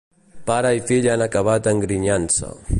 Pare i fill han acabat engrinyant-se.